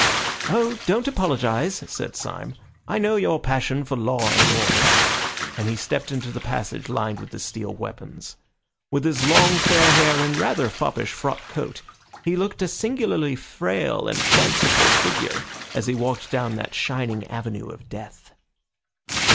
"Oh, don't apologise," said Syme. "I know your passion for law and order," and he stepped into the passage lined with the steel weapons. With his long, fair hair and rather foppish frock coat, he looked a singularly frail and fanciful figure as he walked down that shining avenue of death.